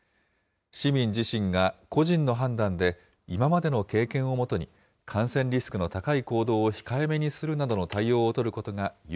市民自身が個人の判断で今までの経験を基に、感染リスクの高い行動を控えめにするなどの対応を取ることが、有